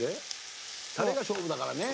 タレが勝負だからね